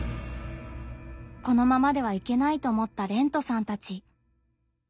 このままではいけないと思ったれんとさんたち。